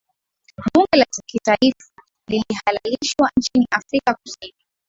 bunge la kitaifa lilihalalishwa nchini afrika kusini